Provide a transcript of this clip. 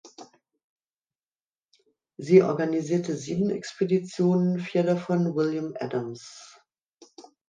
Sie organisierte sieben Expeditionen, vier davon William Adams.